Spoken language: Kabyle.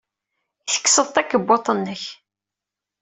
I tekkseḍ takebbuḍt-nnek?